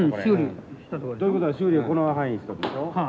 ということは修理はこの範囲したでしょ。